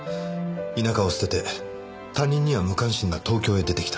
田舎を捨てて他人には無関心な東京へ出てきた。